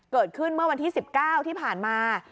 เกิดขึ้นเมื่อวันที่๑๙ที่ผ่านมา